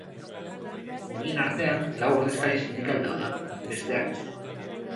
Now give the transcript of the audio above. Horien artean lau ordezkari sindikal daude, besteak beste.